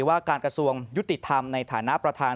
ว่าการกระทรวงยุติธรรมในฐานะประธาน